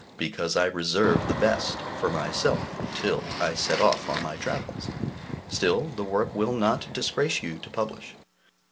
because I reserve the best for myself till I set off on my travels; still the work will not disgrace you to publish.